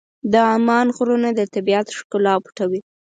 د عمان غرونه د طبیعت ښکلا پټوي.